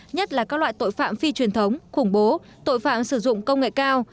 nhất là các loại tội phạm phi truyền thống khủng bố tội phạm sử dụng công nghệ cao